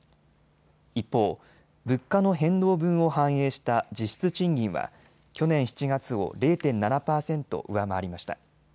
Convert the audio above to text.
一方、物価の変動分を反映した実質賃金は去年７月を０．７％上回りました。